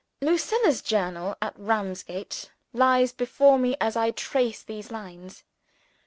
Lucilla's Journal at Ramsgate lies before me as I trace these lines.